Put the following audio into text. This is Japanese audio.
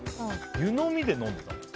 湯呑みで飲んでた。